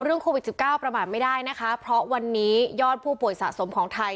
โควิด๑๙ประมาทไม่ได้นะคะเพราะวันนี้ยอดผู้ป่วยสะสมของไทย